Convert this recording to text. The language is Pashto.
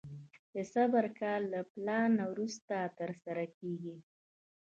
د صبر کار له پلان وروسته ترسره کېږي.